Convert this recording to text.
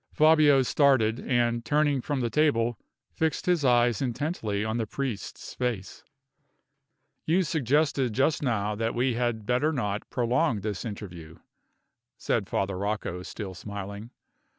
Fabio started, and, turning from the table, fixed his eyes intently on the priest's face. "You suggested just now that we had better not prolong this interview," said Father Rocco, still smiling.